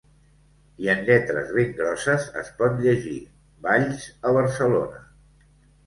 I en lletres ben grosses es pot llegir: Valls a Barcelona.